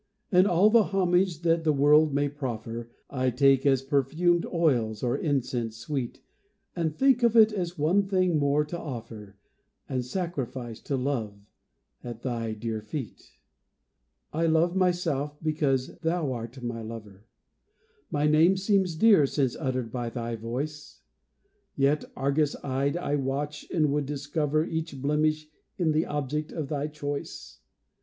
And all the homage that the world may proffer, I take as perfumed oils or incense sweet, And think of it as one thing more to offer, And sacrifice to Love, at thy dear feet. I love myself because thou art my lover, My name seems dear since uttered by thy voice; Yet, argus eyed, I watch and would discover Each blemish in the object of thy choice.